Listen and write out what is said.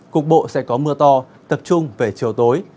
cục bộ sẽ có mưa to tập trung về chiều tối